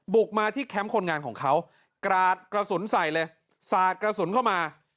บุกมาที่แคมป์คนงานของเขากราดกระสุนใส่เลยสาดกระสุนเข้ามา